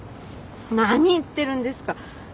何言ってるんですか。